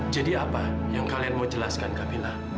jadi apa yang kalian mau jelaskan kak mila